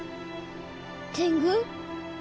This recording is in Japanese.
天狗？